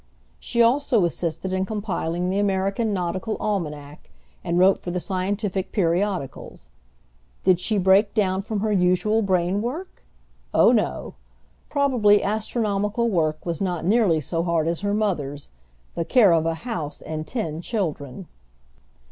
She also assisted in compiling the American Nautical Almanac, and wrote for the scientific periodicals. Did she break down from her unusual brain work? Oh, no! Probably astronomical work was not nearly so hard as her mother's, the care of a house and ten children!